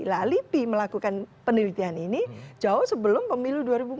nah lipi melakukan penelitian ini jauh sebelum pemilu dua ribu empat belas